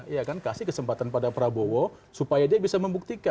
ya kan kasih kesempatan pada prabowo supaya dia bisa membuktikan